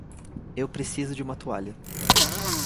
Eu preciso de uma toalha.